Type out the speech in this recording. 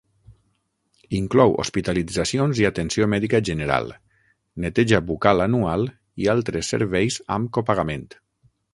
Inclou hospitalitzacions i atenció mèdica general, neteja bucal anual i altres serveis amb copagament.